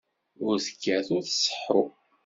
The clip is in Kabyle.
Ur tekkat ur tseḥḥu.